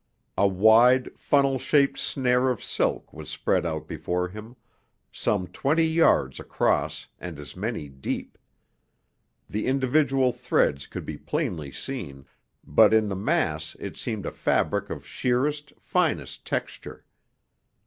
A wide, funnel shaped snare of silk was spread out before him, some twenty yards across and as many deep. The individual threads could be plainly seen, but in the mass it seemed a fabric of sheerest, finest texture.